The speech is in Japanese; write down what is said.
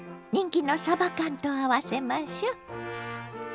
人気のさば缶と合わせましょ。